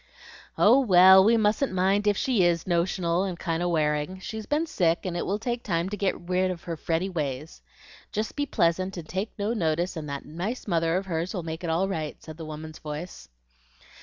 "Oh, well, we mustn't mind if she IS notional and kind of wearing; she's been sick, and it will take time to get rid of her fretty ways. Jest be pleasant, and take no notice, and that nice mother of hers will make it all right," said the woman's voice.